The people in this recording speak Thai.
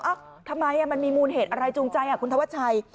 ทำไมมันมีมูลเหตุอะไรจูงใจคุณธวัชชัย